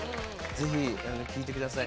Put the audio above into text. ぜひ聴いてください。